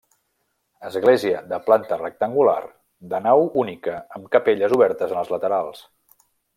Església, de planta rectangular, de nau única, amb capelles obertes en els laterals.